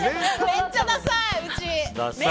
めっちゃださい、うち。